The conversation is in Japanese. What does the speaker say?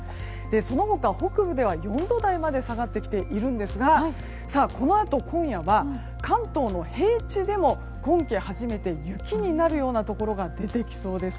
その他、北部では４度台まで下がってきていますがこのあと今夜は関東の平地でも今季初めて雪になるようなところが出てきそうです。